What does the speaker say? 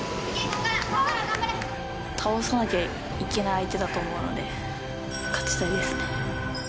倒さなきゃいけない相手だと思うので、勝ちたいですね。